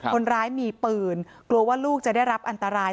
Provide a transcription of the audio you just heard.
คนร้ายมีปืนกลัวว่าลูกจะได้รับอันตราย